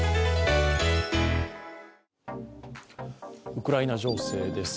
ウクライナ情勢です。